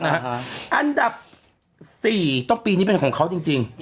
อันดับ๔ต้องปีนี้เป็นของเขาจริง